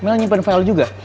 mel nyimpen file juga